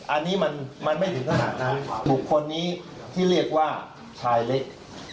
อันนี้มันไม่ถึงขนาดนั้นบุคคลนี้ที่เรียกว่าชายเล็ก